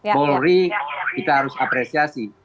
paul ri kita harus apresiasi